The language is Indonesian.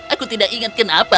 aku tidak ingat kenapa